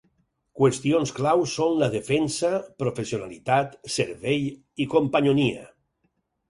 Qüestions clau son la defensa, professionalitat, servei i companyonia.